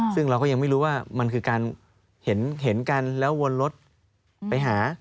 ซึ่งเราก็ยังไม่รู้ว่ามันคือการเห็นกันแล้ววนรถไปหา